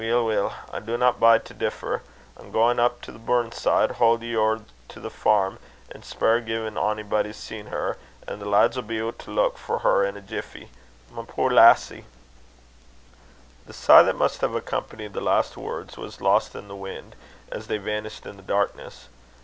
"Weel, weel; I downa bide to differ. I'm gaein up the burn side; baud ye ower to the farm, and spier gin onybody's seen her; an' the lads 'll be out to leuk for her in a jiffey. My puir lassie!" The sigh that must have accompanied the last words, was lost in the wind, as they vanished in the darkness.